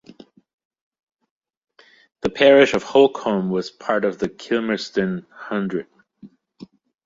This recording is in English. The parish of Holcombe was part of the Kilmersdon Hundred.